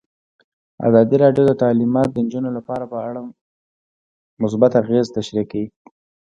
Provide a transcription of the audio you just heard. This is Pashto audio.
ازادي راډیو د تعلیمات د نجونو لپاره په اړه مثبت اغېزې تشریح کړي.